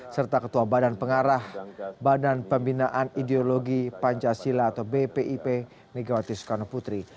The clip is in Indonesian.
serta ketua badan pengarah badan pembinaan ideologi pancasila atau bpip megawati soekarno putri